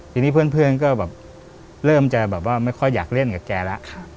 ทีนี้เพื่อนก็แบบเริ่มจะแบบว่าไม่ค่อยอยากเล่นกับแกแล้ว